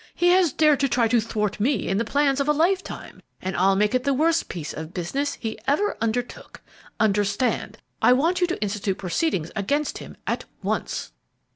He has dared to try to thwart me in the plans of a lifetime, and I'll make it the worst piece of business he ever undertook. Understand, I want you to institute proceedings against him at once!"